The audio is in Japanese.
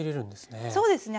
そうですね。